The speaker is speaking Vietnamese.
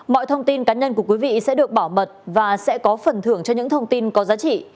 mọi thông tin cá nhân của quý vị sẽ được bảo mật và sẽ có phần thưởng cho những thông tin có giá trị